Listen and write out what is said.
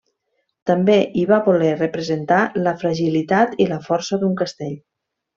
També hi va voler representar la fragilitat i la força d'un castell.